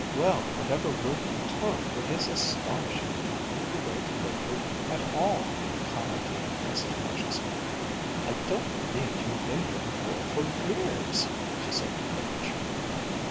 "Well, whatever route he took, it is astonishing that he knew the way to Lydford at all," commented Mrs. Marshall Smith. "I don't believe you've been here before for years!" she said to Page.